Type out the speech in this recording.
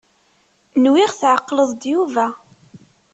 Nwiɣ tɛeqleḍ-d Yuba.